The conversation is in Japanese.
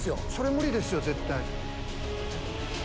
無理ですよ絶対。